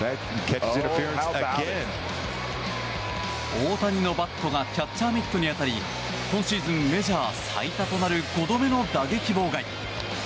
大谷のバットがキャッチャーミットに当たり今シーズンメジャー最多となる５度目の打撃妨害。